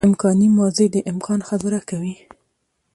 امکاني ماضي د امکان خبره کوي.